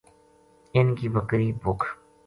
اِنھ کی بکری بھُکھ